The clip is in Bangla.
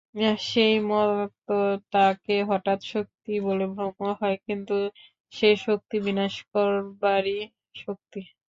সেই মত্ততাকে হঠাৎ শক্তি বলে ভ্রম হয়, কিন্তু সে শক্তি বিনাশ করবারই শক্তি।